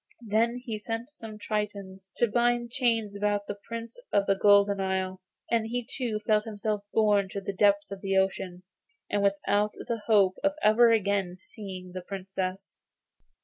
Then he sent some tritons to bind chains about the Prince of the Golden Isle, and he too felt himself borne to the depths of the ocean, and without the hope of ever again seeing the Princess.